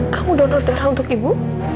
kamu donor darah untuk ibu